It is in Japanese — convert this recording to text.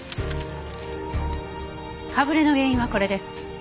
かぶれの原因はこれです。